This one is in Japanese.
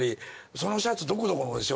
「そのシャツどこどこのでしょ？」